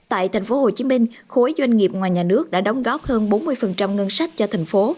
tại tp hcm khối doanh nghiệp ngoài nhà nước đã đóng góp hơn bốn mươi ngân sách cho thành phố